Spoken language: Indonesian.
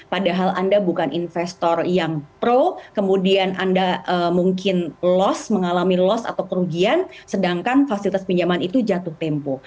padahal anda bukan investor yang pro kemudian anda mungkin loss mengalami lost atau kerugian sedangkan fasilitas pinjaman itu jatuh tempo